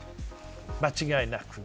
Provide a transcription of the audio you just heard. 間違いなく。